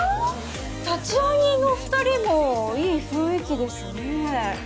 立会人のお二人もいい雰囲気ですね。